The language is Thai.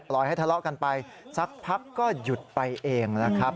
ให้ทะเลาะกันไปสักพักก็หยุดไปเองนะครับ